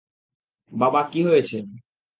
বাবা, কী হয়েছে?